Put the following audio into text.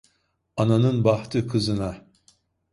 Ananın bahtı kızına.